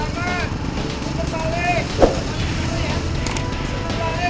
gua mau ke sana